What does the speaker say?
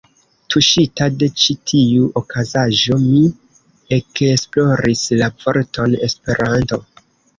Tuŝita de ĉi tiu okazaĵo, mi ekesploris la vorton ”Esperanto”.